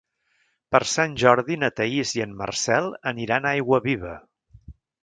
Per Sant Jordi na Thaís i en Marcel aniran a Aiguaviva.